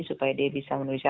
supaya dia bisa menulis